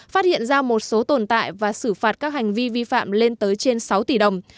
phát hiện ra một số tồn tại và xử phạt các hành vi vi phạm lên tới trên sáu tỷ đồng